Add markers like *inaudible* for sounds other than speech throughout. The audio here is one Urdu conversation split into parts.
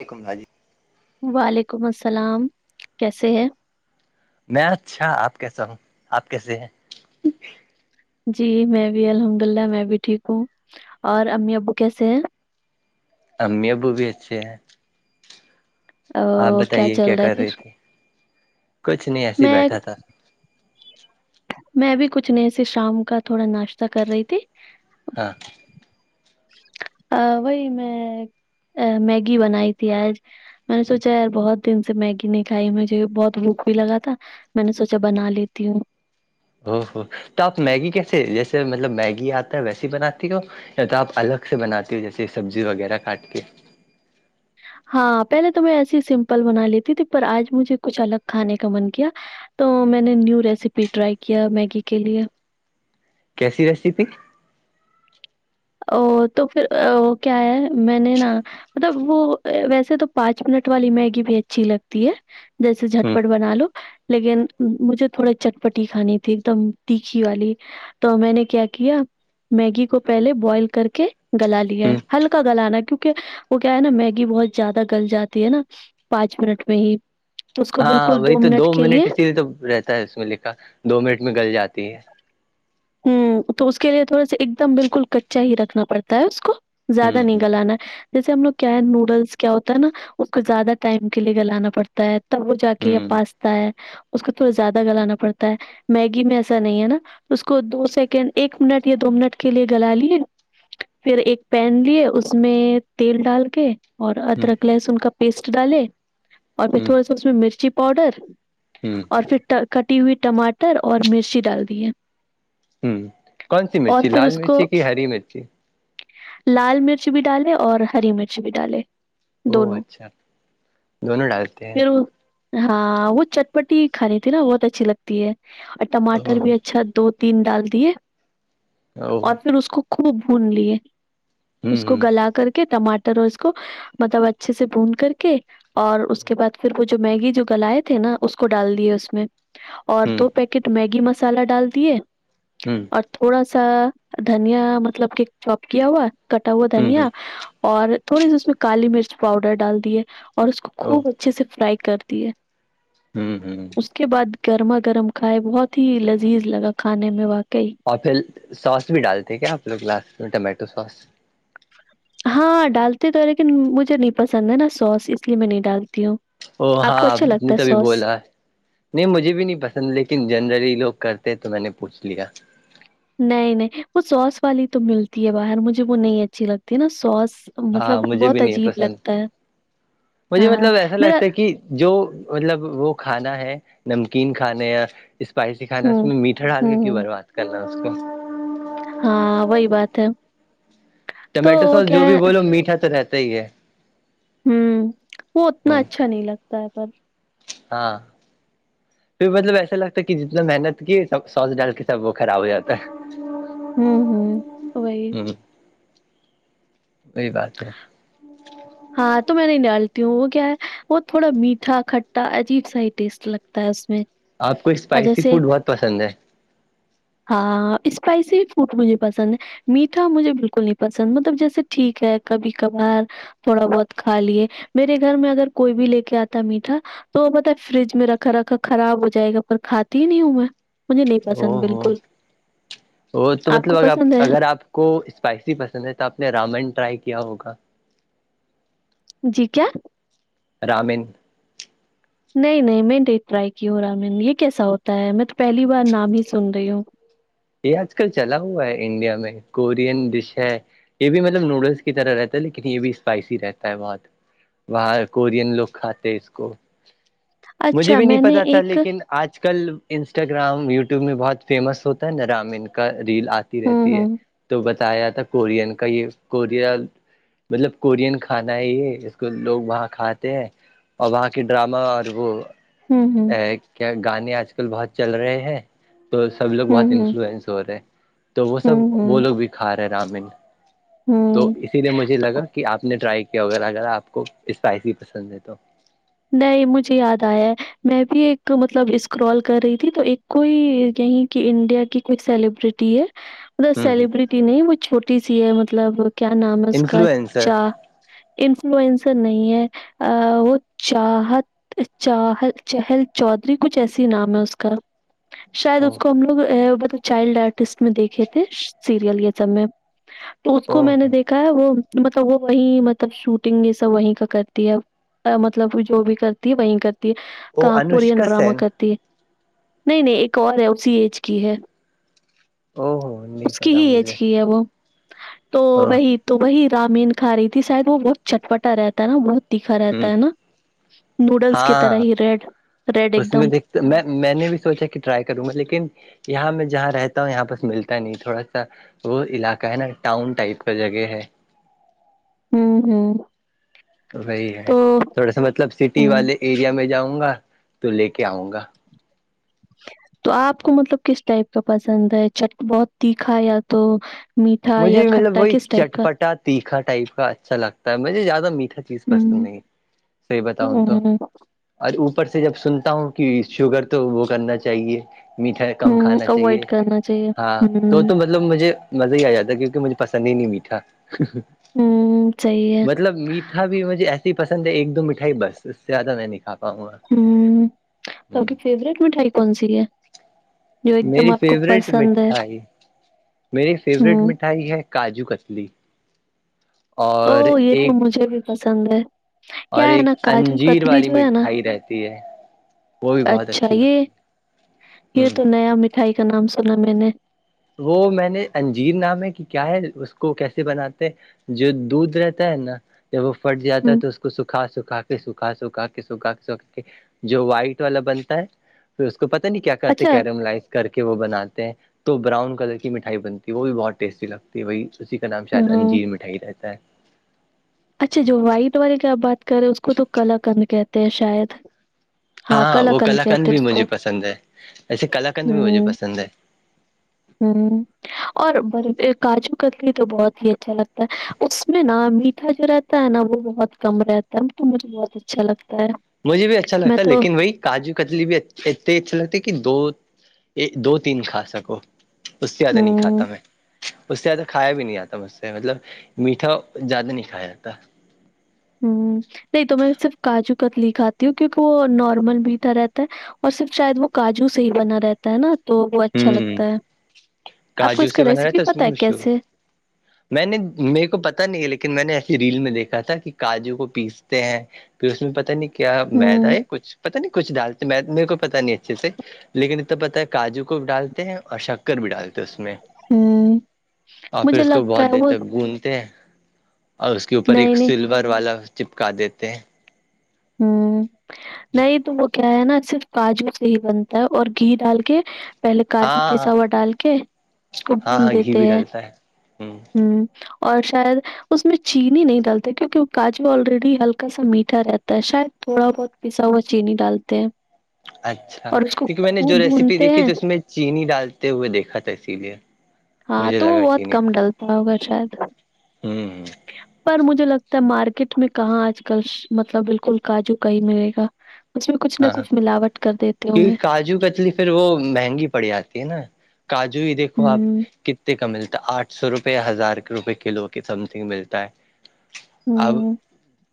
و کمھا جی وعلیکم السلام کیسے ہیں میں اچھا آپ کیسا ہوں آپ کیسے ہیں جی میں بھی الحمد اللہ میں بھی ٹھیک ہوں اور امی ابو کیسے ہیں امی بو بھی اچے ہیں آ، آپ بتائیے کیا چل رہا ہے کر رہی پھر تھھی کچھ نہیں ایسے ہی میں بیٹھا تھا میں ابھی کچھ نئے سے شام کا تھوڑا ناشتہ کر رہی تھی ہاں ا وہی میں میگی بنائی تھی آج میں نے سوچا یار بہت دن سے میگی نہیں کھائی مجے بہت بکئی لگا تھا میں نے سوچا بنا لیتی ہوں او ہو تو آپ میگی کیسے جیسے مطلب میگی آتا ہے ویس بناتی ہو یا تو آپ الگ سے بناتی ہو جیسے سبزی وغیرہ کاٹ کے ہاں پہلے تو میں ایسیے ہی سمپل بنا لیتی تھی پر آج مجھے کچھ الگ کھانے کا من کیا تو میں نے نیو ریسیپی ٹرائی کیا میگی کے لیے کیسی ریسیپی او تو پھر کیا ہے میں نے نا مطلب وہ ویسے تو پانچ منٹ والی میگی بھی اچھی لگتی ہے جیسے ہ جٹپٹ بنا لو لیکن مجھے تھوڑی چٹپٹی کھانی تھی ایک دم تیکھی والی تو میں نے کیا کیا میگی کو پہلے بوائل کر کے گلا لیا ہ ہلکا گلانا کیونک وہ کیا ہے نا میگی بہت زیادہ گل جاتی ہے نا پانچ منٹ میں ہی تو اس کو ہاں بالکل وہی تو دو کے منٹ اسی لیے تو رہتا ہے اس میں لےکھا دو منٹ میں گل جاتی ہے ہ تو اس کے لیے تھوڑا سا ایک دم بالکل کچا ہی رکھنا پڑتا ہے اس کو زیادہ ہوں نہیں ہ گلانا جیسے ہم لوگ کیا ہے نوڈلس کیا ہوتا ہے نا اس کو زیادہ ٹائم کے لیے گلانا پڑتا ہے تب وہ جا کے یہ ہ پاستا ہے اس کو تھوڑا زیادہ گلانا پڑتا ہے میگی میں ایسا نہیں ہے نا تو کو دو سیکنڈ ایک منٹ یا دو منٹ کے لیے گلا لیے پھر ایک پین لیے اس میں تیل ڈال کے اور ہ ادرک لہسن کا پیسٹ ڈالے اور پھر ہ تھوڑا سا اس میں مرچی پاؤڈر ہ اور پھر کٹی ہوئی ٹماٹر اور مرچی ڈال دی ہے ہ کون سی مرچی پھر لال اس کو مرچی کی ہری مرچی لال مرچ بھی ڈالے اور ہری مرچ بھی ڈالے او دونوں اچھا دونوں ڈالتے ہیں پھر ہاں وہ چٹپٹی کھانیانی تھی نا بہت اچھی لگتی ہے اور ٹماٹر بھی اور اچھا دو تین ڈال دیے اور پھر اس کو خوب بھون لیے اس کو گلا کر کے ٹماٹر اور اس کو مطلب اچھے سے بون کر کے اور اس کے بعد پھر وہ جو میگی جو گلائے تھے نا اس کو ڈال دیے اس میں اور دو پیکٹ میگی مسالہ ڈال دیے ہوں اور تھوڑا سا دھنیا مطلب کہ چوپ کیا ہوا کٹا ہوا دھنیا اور تھوڑی سی اس میں کالی مرچ پاؤڈر ڈال دیے اور اس کو خوب اچھا اچھے سے فرائی کر دیے ہوں ہوں اس کے بعد گرما گرم کھائے بہت ہی لذیذ لگا کھانے میں واقعی اور پھر سوس بھی ڈالتے کیا آپ لوگ لاس میں ٹمیٹو سوس ہاں ڈالتے تو لیکن مجھے نہیں پسند ہے نا سوس اس لیے میں نہیں ڈالتی ہوں او آپ کو ہاں اچھا نے لگتا ہے تبھی سوس بولا ہے نہیں مجھے بھی نہیں پسند لیکن جنرلی لوگ کرتے تو میں نے پوچھ لیا نہیں نہیں وہ سوس والی تو ملتی ہے باہر مجھے وہ نہیں اچھی لگتی ہے نا سوس مطلب ہاں مجھے بھی بہت نہیں ہے عجیب پسند لگتا ہے مجھے ہاں مطلب ایسا میرا لگتا ہے کہ جو مطلب وہ کھانا ہے نمکین کھانے یا اسپائسی کھا اس ہوں میں میٹھا ڈال کے کیوں ہوں برباد کرناا اس کو ہاں وہی بات ہے تو ٹمیٹو وہ سوس کیا جو بھی ہے بولو میٹھا تو رہتا ہی ہے ہوں وہ اتنا ہ اچھا نہیں لگتا ہے پر ہاں پھر مطلب ایسا لگتا ہے کہ جتنا محنت کی سب سوس ڈال کے سب وہ خراب ہو جاتا ہے جچ ہوں ہوں تو بائی وہی بات ہے ہاں تو میں نہیں ڈالتی ہوں وہ کیا ہے وہ تھوڑا میٹھا کھٹا عجیب سا ہی ٹیسٹ لگتا تا اس میں آپ کو اور اسپائسی جیسے فوڈ بہت پسند ہے ہاں اسپائسی فوڈ مجھے پسند ہے میٹھا مجھے بالکل نہیں پسند مطلب جیسے ٹھیک ہے کبھی کبھار تھوڑا بہت کھا لیے میرے گھر میں اگر کوئی بھی لے کے آتا میٹھا تو بت فریج میں رکھا رکھا خراب ہو جائے گا کھاتی ہی نہیں ہوں میں مجھے نہیں او پسند ہو بالکل وہ تو مطلب کو ا آپ پسند ہے اگر آپ کو اسپائسی پسند ہے تو آپ نے رامن ٹرائی کیا ہوگا جی کیا رامین *inaudible* نہیں نہیں میں دیکھ رہائی کی ہوں رامین یہ کیسا ہوتا ہے میں تو پہلی بار نام ہی سن رہی ہوں یہ آج کل چلا ہوا ہے انڈیا میں کورین ڈش ہے یہ بھی مطلب نوڈلس کی طرح رہتا ہے لیکن یہ بھی اسپائسی رہتا ہے بہت وہاں کورین لوگ کھاتے اس کو مجھے اچھا بھی نہیں میں نے پتا تھا ایک لیکن آج کل انسٹاگرام یوٹیوب میں بہت فیمس ہوتا ہے نا رامین کا ریل آتا ہوں رہتی ہے ہوں تو بتایا جاتا ہے کورین کا یہ کوریا مطلب کورین کھانا ہے یہ ج کو لوگ وہاں کھاتے ہیں اور وہاں کی ڈراما ا کو ہوں ا ہوں کیا گانے آج کل بہت چل رہے ہیں تو سب لوگ بہت ہوں ہوں انفلوئنس ہو رہے تو وہ سب ہوں وہ ہوں لوگ بھی کھا رہے رامین تو ہوں اسی لیے مجھے تو لگا کہ آپ نے ٹرائی کیا ا اگر آپ کو اسپائسی پسند ہے تو نہیں مجھے یاد آیا میں بھی ایک مطلب اسکرال کر رہی تھی تو ایک کوئی یہیں کی انڈیا کی کوئی سیلیبریٹی ہے ہ سیلیبرٹی نہیں وہ چھوٹی سی ہے مطلب کیا نام ہے اس کا انفلوئنسر چاہ انفلوئنسر نہیں ہے وہ چاہت چل چہل چودھری کچھ ایسی نام ہے اس کا شاید اس او کو ہم لوگ چائلڈ آرٹسٹ میں دیکھے تھے سیریل یہ سب میں تو اس کو او میں نے دیکھ کا ہے وہ مطلب وہ وہی مطلب شوٹنگ یہ سب وہیں کا کرتی ہے مطلب جو بھی کرتی ہے وہی کرتی ہے او کانک پورین انوشکا ڈراما سین کرتی ہے نہیں نہیں ایک اور ہے اسی ایج کی ہے او ہو نہیں اس کی پتا ہی ایج مجھے کی ہے وہ تو ا وہی تو وہی رامین کا رہی تھی شاید وہ بہت چٹپٹا رہتا ہے نا بہت دکھا رہا ہ ہے نا نوڈلس کی طرح ہاں ہی ریڈ ریڈ ایک اس میں دم دیکھتا میں میں نے بھی سوچا کہ ٹرائی کروں گا لیکن یہاں میں جہاں رہتا ہوں یہاں بس ملتا نہیں تھوڑا سا وہ علاقہ ہے نا ٹاؤن ٹائپ کا جگہ ہے ہوں ہوں وہی ہے تو تھوڑا سا مطلب سٹی ہوں والے ایریا میں جاؤں گا تو لے کے آؤں گا تو آپ کو مطلب کس ٹائپ کا پسند ہے چ بہت تیکھا یا تو میٹھا مجھے یا مطلب کھٹا وہی کس ٹائپ کا چٹپٹا تیکھا ٹائپ کا اچھا لگتا ہے مجھے زیادہ میٹھا چیز پسند ہوں نہیں صحیح بتاؤں تو ہوں اور اوپر سے جب سنتا ہوں کہ شوگر تو وہ کرنا چاہیے میٹھا کم ہوں کھانا اوائڈ چاہیے کرنا چاہیے ہاں تو ہوں تو مطلب مجھے مزہ ہی آ جاتا ہے کیونکہ مجھے پسند ہی نہیں میٹھا ہوں صحیح ہے مطلب مٹھا بھی مجھے ایسی ہی پسند ہے ایک دو مٹھائی بس اس سے زیادہ میں نے کا ہوں تو آپ کی فیوریٹ مٹھائی کون سی ہے جو ایک دم میری آپ کو فیورورٹ پسند ہے مٹھائی میری فیورٹ ہوں مٹھائی ہے کاجو کتلی او اور یہ تو ایک مجھے بھی پسند ہے اور کیا ہے ایک نا کاجو انجیر کتلی والی جو ہے نا مٹھائی رہتی ہے وہ بھی بہت اچھا اچھی لگتی ہے یہ یہ تو نیا مٹھائی کا نام سنا میں نے وہ میں نے انجیر نام ہے کہ کیا ہے اس کو کیسے بناتے ہیں جو دودھ رہتا ہے نا جب وہ پھٹ جاتا ہے ہوں تو اس کو سکھا سکھا کے سکھا سکھا کے سکھا کے سکھا کے جو وائٹ والا بنتا ہے پھر اس کو پتہ نہیں کیا کرتے اچھا کیرم لائز کر کے وہ بناتے ہیں تو براؤن کلر کی مٹھائی بنتی ہے وہ بھی بہت ٹیسٹی لگتی ہے وہی اسی کا نام شاید ہاں انجیر مٹھائی رہتا ہے اچھا جو وائٹ والے کی آپ بات کر رہے اس کو تو کلر کرنے کہتے ہیں شاید ہاں ہاں کلا وہ کند کلاکنند کہتے ہیں بھی اس کو مجھے پسند ہے ایسے کلاکنند بھی مجھے پسند ہے سر اور کاجو کتلی تو بہت ہی اچھا لگتا ہے اس میں نا میٹ اھا جو رہتا ہے نا وہ بہت کم رہتا ہے تو مجھے بہت اچھا لگتا ہے مجھے بھی اچھا میں لگتا ہے تو لن وہی کاجو کتلی بھی ات اچھے لگتے کہ دو دو تین کھا سکو اس سے زیادہ نہیں کھاتا ہوں میں اس سے زیادہ کھایا بھی نہیں آاتا مجھ سے مطلب میٹھا زیادہ نہیں کھایا جاتا ہ نہیں تو میں صرف کاجو کتلی کھاتی ہوں کیونکہ وہ نارمل بھی تھا رہتا ہے اور صرف شاید وہ کاجو سے ہی بنا رہتا نا تو وہ اچھا ہوں لگتا ہے آپ کو کاجو اس کا سے بنا رہا ریسیپی تھا اس پتا میں ہے مشہور کیسے میں نے میرے کو پتا نہیں ہے لیکن میں نے ایسی ریل میں دیکھا تھا کہ کاجو کو پیستے ہیں پھر اس میں پتہ نہیں کیا میدا ہوں ہے کچھ پتا نہیں کچھ ڈالتے مید میرے کو پتا نہیں اچھے سے لیکن اتنا پتا ہے کاجو کو ڈالتے ہیں اور شک ر بھی ڈالتے اس میں ہوں اور پھر مجھے اس کو لگتا بہت ہے دیر وہ تک گندتے اور اس کے اوپر نہیں ایک نہیں سلور والا چپکا دیتے ہیں ہ نہیں تو وہ کیا ہے نا صرف کاجو سے ہی بنتا ہے اور گھی ڈال کے پہلے کاجو ہاں ہاں پساوا ڈال کے اس کو ہاں بھون ہاں گھی دیتے بھی ہیں ڈلتا ہے ہوں اور شاید اس میں چینی نہیں ڈالتے کیونکہ وہ کاجو آلریڈی ہلکا سا میٹھا رہتا شاید تھوڑا بہت پیسا ہوا چینی ڈالتے ہیں اچھا اور اس کو کیونکہ میں نے جو خوب ریسیپی بھونتے دیکھی ہیں تھی اس میں چینی ڈالتے ہوئے دیکھا تھا اسی لیے ہاں مجھے تو لگا وہ بہت چینی کم ڈال ڈلتا ہوگا شاید ہوں پر مجھے لگتا ہے مارکیٹ میں کہاں آج کل مطلب بالکل کاجو کہیں ملے گا اس میں کچھ نہ ہاں ہاں کچھ ملاوٹ کر دیتے ہوں گے کیونکہ کاجو کتلی پھر وہ مہنگی پڑ جاتی ہے نا کاجو ہی دیکھو آپ ہوں ک کا ملتا ہے آٹھ سو روپئے ہزار روپئے کلو کی سم تھنگ ملتا ہے اب ہوں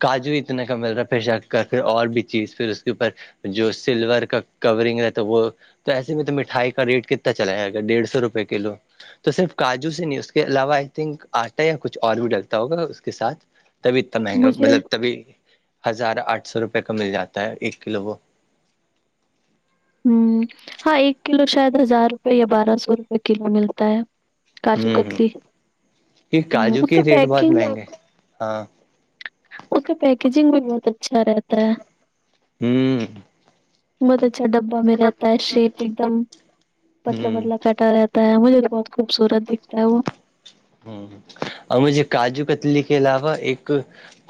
کاجو اتنا کا مل رہا ہے پھرشک کر پھر اور بھی چیز پھر اس اسوپر جو سلور کا کورنگ رہتا وہ تو ایسے میں تو مٹھائی کا ریٹ کتنا چلائے گ ڈیڑھ سو روپئے کلو تو صرف کاجو سے نہیں اس کے علاوہ آئی تھنک آٹا یا کچھ اور بھی ڈلتا ہوگا اس کے ساتھ تبھی اتنا مہنگا مجھے مطلب تبھی ہزار آٹھ سو روپے کا مل جاتا ہے ایک کلو وہ ہ ہاں ایک کلو شاید ہزار روپئے یا بارہ سو روپئے کلو ملتا ہے کاجو ہوں ہ کتلی یہ ہوں، کاجو اس کے کا ریٹ بہت پیکنگ مہنگے ہیں ہاں اس کا پیکیجنگ بھی بہت اچھا رہتا ہے ہوں بہت اچھا اچھا ڈبا میں رہتا ہے شیٹ ایک دم پتلا ہوں بتلا کر رہتا ہے مجھے بہت خوبصورت دکھتا ہے وہ ہاں اور مجھے کاجو کتلی کے علاوہ ایک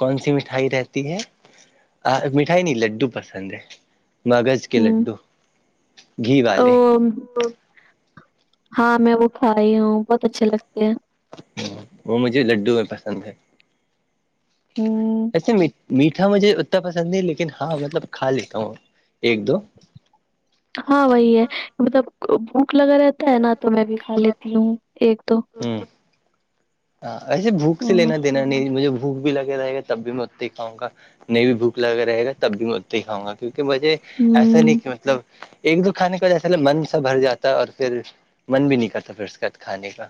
کون سی مٹھائی رہتی ہے ہم مٹھائی نہیں لڈو پسند ہے مغذ کے ہوں، لڈو گھی او والے ہاں میں وہ کھاائی ہوں بہت اچھے لگتے ہیں وہ مجھے لڈو میں پسند ہے ہوں، ایسے میٹھا مجھے اتنا پسند ہے لیکن ہاں مطلب کھا لیتا ہوں ایک دو ہاں وہی ہے مطلب بھوک لگا رہتا ہے نا تو میں بھی کھا لیتی ہوں ایک دو ہوں ہاں ایسے بھوک سے ہوں، لینا دینا نہیں مجھےھوک بھی لگے رہے گا تب بھی میں اتتے ہی کھؤ گا نہیں بھی بھوک لگا رہے گا تب بھی میں اتتے ہی کھاؤں گا کیونکہ مجھے ایسا ہوں، نہیں کہ مطلب ایک دو کھانے کا جیسا من سا بھر جاتا ہے اور پھر من بھی نہیں کرتا پھر اس کے کھانے کا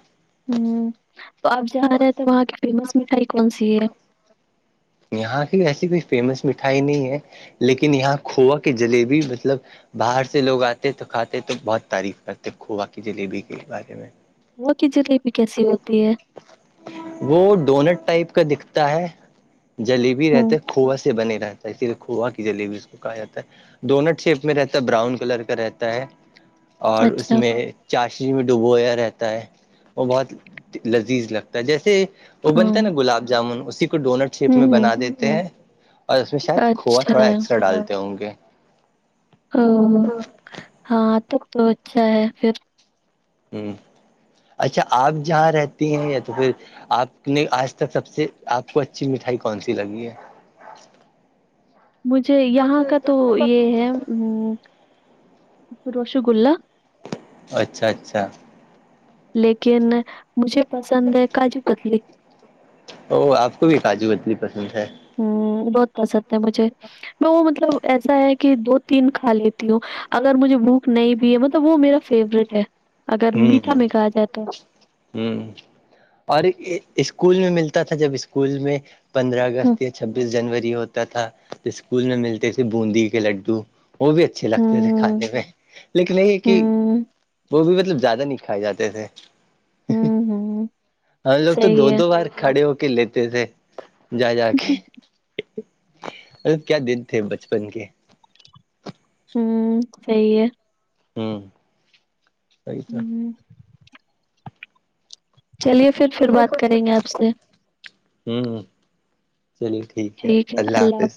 ہوں تو آپ جا رہے ہیں تو وہاں کی فیمس مٹھائی کون سی ہے یہاں کی ایسی کوئی فیمس مٹھائی نہیں ہے لیکن یہاں کھووا کی جلیبی مطلب باہر سے لوگ آتے تو کھاتے تو بہت تعریف کرتے کھوا کی جلیبی کے بارے میں وہ کی جلیبی کیسی ہوتی ہے وہ ڈونٹ ٹائپ کا دکھتا ہے جلیبی ہوں رہتے کھوا سے بنے رہتا ہے اسی لیے کوا کی جلیبی اس کو کہا جاتا ہے ڈونٹ شیپ میں رہتا ہے براؤن کلر کا رہتا ہے اور اس اچھا میں چاش میں ڈبویا رہتا ہے وہ بہت لذیذ لگتا ہے جیسے وہ ہاں بنتا ہے نا گلاب جامن اسی کو ڈونٹ شپ ہوں میں ہوں بنا دیتے ہیں اور اس میں شاید کو اچھا تھوڑا ایکسٹرا ڈالتے ہوں گے ہاں تو بہت اچھا ہے پھر ہوں اچھا آپ جہاں رہتے ہیں یا تو پھر آپ نے آج تک سب سے آپ کو اچھی مٹھائی کون سی لگی ہے مجھے یہاں کا تو یہ ہے رش گلہ اچھا اچھا لیکن مجھے پسند ہے کاجو پتلی او آپ کو بھی کاجو بتلی پسند ہے ہ بہت پسند ہے مجھے میں وہ مطلب ایسا ہے کہ دو تین کھا لیتی ہوں اگر مجھے بھوک نہیں بھی ہے مطلب وہ میرا فیوریٹ ہے اگر ہ میٹھا میں کہا جائے تو اور اسکول میں ملتا تھا جب اسکول میں پندرہ ہوں اگست یا چھبیس جنوری ہوتا تھا اسکول میں ملتے تھے بوندی کے لڈو وہ بھی اچھے لگتے تھے ہوں کھانے میں لیکن یہ کہ ہوں وہ بھی مطلب زیادہ نہیں کھائے جاتے تھے ہوں ہوں ہم لوگ تو دو صحیح دو بار کھڑے ہو کے لیتے تھے جا جا ہے کے ارے کیا دن تھے بچپن کے ہوں صحی ہے ہوں سی تو ہوں چلیے پھر پھر بات کریں گے آپ سے ہوں چلیے ٹھیک ہے اللہ حافظ